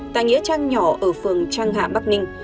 tại nghĩa trang nhỏ ở phường trang hạ bắc ninh